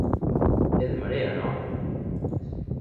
¿É de en Marea, non?